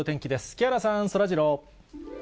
木原さん、そらジロー。